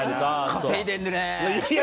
稼いでるねー！